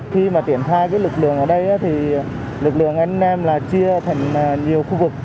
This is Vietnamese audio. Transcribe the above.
khi tiển thai lực lượng ở đây lực lượng anh em chia thành nhiều khu vực